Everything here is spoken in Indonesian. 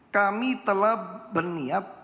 kami telah berniap